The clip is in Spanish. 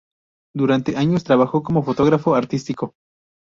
Durante años trabajó como fotógrafo artístico.